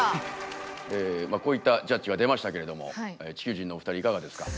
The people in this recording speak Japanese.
まあこういったジャッジが出ましたけれども地球人のお二人いかがですか？